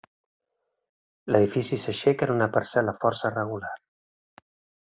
L'edifici s'aixeca en una parcel·la força regular.